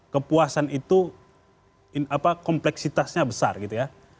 kepuasan itu kompleksitasnya besar gitu ya